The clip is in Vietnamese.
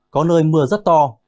có nơi mưa rất to